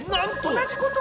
同じこと？